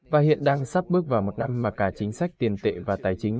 và hiện đang sắp bước vào một năm mà cả chính sách tiền tệ và tài chính